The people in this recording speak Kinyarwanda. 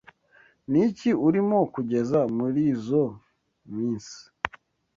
Niki urimo kugeza murizoi minsi?